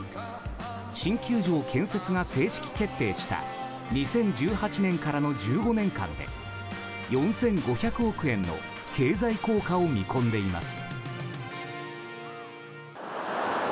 新球場建設が正式決定した２０１８年からの１５年間で４５００億円の経済効果を見込んでいます。